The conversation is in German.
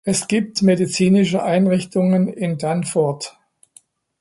Es gibt medizinische Einrichtungen in Danforth.